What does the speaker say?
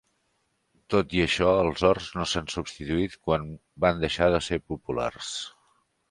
Tot i això, els horts no s'han substituït quan van deixar de ser populars.